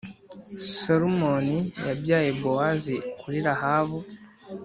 Salumoni yabyaye Bowazi kuri Rahabu,